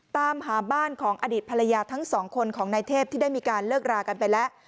ตามหาบ้านของอดีตภรรยาทั้งสองคนของนายเทพที่ได้มีการเลิกรากันไปแล้ว